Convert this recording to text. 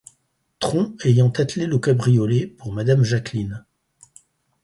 Tron ayant attelé le cabriolet, pour madame Jacqueline